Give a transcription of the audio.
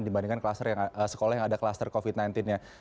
dibandingkan sekolah yang ada kluster covid sembilan belas nya